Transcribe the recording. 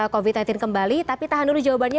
covid sembilan belas kembali tapi tahan dulu jawabannya